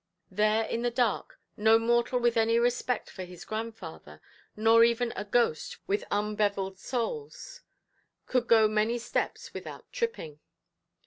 There in the dark, no mortal with any respect for his grandfather, nor even a ghost with unbevilled soles, could go many steps without tripping.